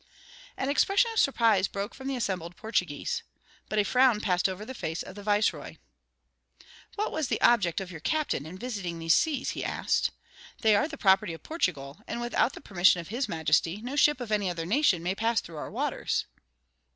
An expression of surprise broke from the assembled Portuguese. But a frown passed over the face of the viceroy. "What was the object of your captain, in visiting these seas?" he asked "They are the property of Portugal, and without the permission of his majesty, no ship of any other nation may pass through our waters."